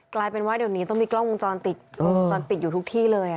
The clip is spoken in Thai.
กลายเป็นว่าเดี๋ยวนี้ต้องมีกล้องวงจรปิดอยู่ทุกที่เลยนะครับ